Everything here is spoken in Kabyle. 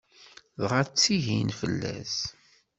Dɣa ttihin fell-as.